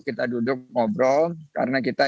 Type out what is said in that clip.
kita duduk ngobrol karena kita